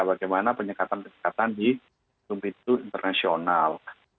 bagaimana penyekatan penyekatan di sumber itu internasional